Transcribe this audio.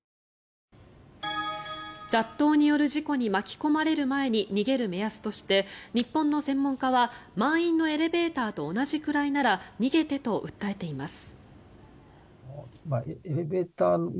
雑踏による事故に巻き込まれる前に逃げる目安として日本の専門家は満員のエレベーターと同じぐらいなら逃げてと訴えています。